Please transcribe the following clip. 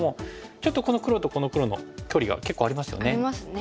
ちょっとこの黒とこの黒の距離が結構ありますよね。ありますね。